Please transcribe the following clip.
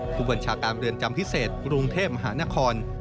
ผู้บัญชาการเรือนจำพิเศษกรุงเทพมหานคร